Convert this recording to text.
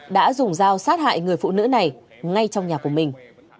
đã dùng dao sát hại người phụ nữ này ngay trong nhà của mình